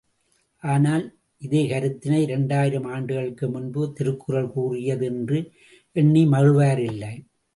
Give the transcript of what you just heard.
ஆனால் இதே கருத்தினை இரண்டாயிரம் ஆண்டுகளுக்கு முன்பு திருக்குறள் கூறியது என்று எண்ணி மகிழ்வாரில்லை.